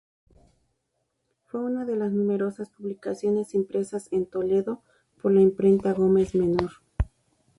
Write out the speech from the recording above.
Fue una de las numerosas publicaciones impresas en Toledo por la Imprenta Gómez Menor.